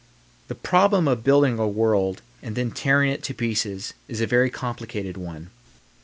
The problem of building a world and then tearing it to pieces is a very complicated one.